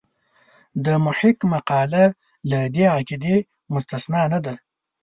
د محق مقاله له دې قاعدې مستثنا نه ده.